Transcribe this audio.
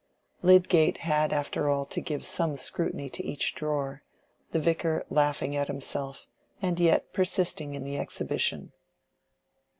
Lydgate had after all to give some scrutiny to each drawer, the Vicar laughing at himself, and yet persisting in the exhibition.